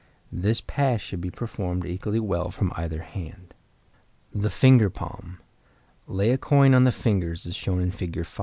This pass should be performed equally well from either hand. The Finger Palm.—Lay a coin on the fingers as shown in Fig.